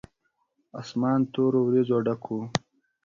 اسمان تورو وريځو ډک و.